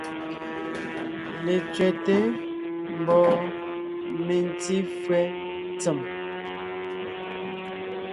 Letsẅɛ́te mbɔɔ mentí fÿɛ́ ntsèm.